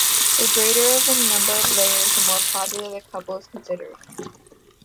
The greater the number of layers, the more popular the couple is considered.